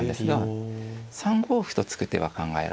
３五歩と突く手は考えられますね。